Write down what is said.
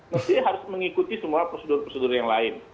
mesti harus mengikuti semua prosedur prosedur yang lain